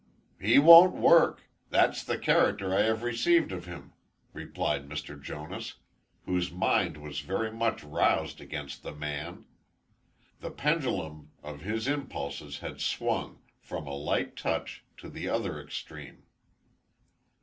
"He won't work; that's the character I have received of him," replied Mr. Jonas, whose mind was very much roused against the man. The pendulum of his impulses had swung, from a light touch, to the other extreme.